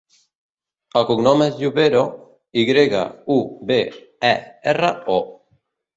El cognom és Yubero: i grega, u, be, e, erra, o.